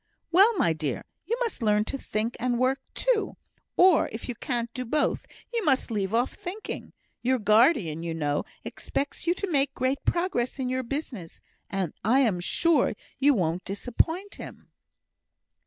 "Well, my dear, you must learn to think and work too; or, if you can't do both, you must leave off thinking. Your guardian, you know, expects you to make great progress in your business, and I am sure you won't disappoint him."